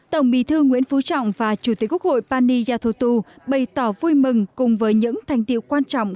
tổng bí thư nguyễn phú trọng và chủ tịch quốc hội pani yathotu bày tỏ vui mừng cùng với những thành tiệu quan trọng